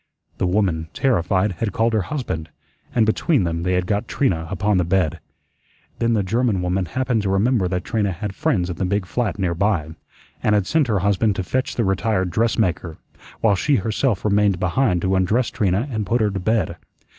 The woman, terrified, had called her husband, and between them they had got Trina upon the bed. Then the German woman happened to remember that Trina had friends in the big flat near by, and had sent her husband to fetch the retired dressmaker, while she herself remained behind to undress Trina and put her to bed.